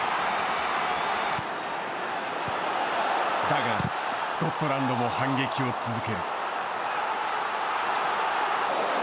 だが、スコットランドも反撃を続ける。